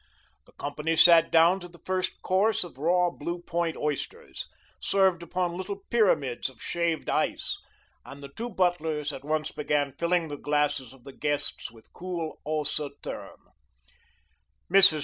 The company sat down to the first course of raw Blue Point oysters, served upon little pyramids of shaved ice, and the two butlers at once began filling the glasses of the guests with cool Haut Sauterne. Mrs.